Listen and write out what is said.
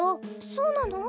そうなの？